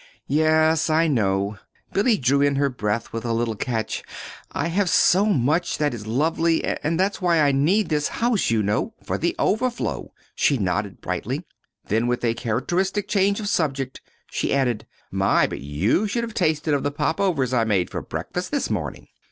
"Yes, I know." Billy drew in her breath with a little catch. "I have so much that is lovely; and that's why I need this house, you know, for the overflow," she nodded brightly. Then, with a characteristic change of subject, she added: "My, but you should have tasted of the popovers I made for breakfast this morning!"